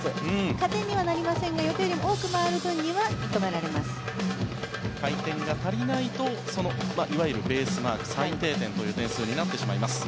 加点にはなりませんが予定より多く回る分には回転が足りないといわゆるベースマーク最低点という点数になってしまいます。